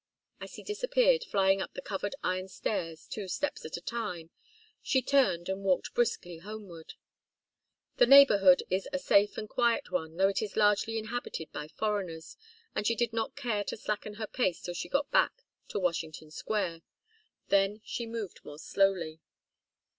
As he disappeared, flying up the covered iron stairs, two steps at a time, she turned and walked briskly homeward. The neighbourhood is a safe and quiet one, though it is largely inhabited by foreigners, but she did not care to slacken her pace till she got back to Washington Square. Then she moved more slowly.